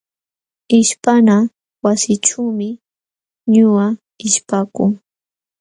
Ishpana wasićhuumi ñuqa ishpakuu.